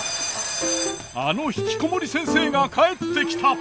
あのひきこもり先生が帰ってきた！